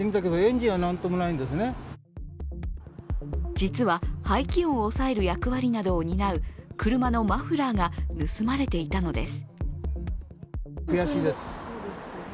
実は排気音を抑える役割などを担う車のマフラーが盗まれていたのです。